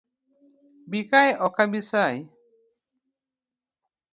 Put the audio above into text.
Bikae ok abisayi.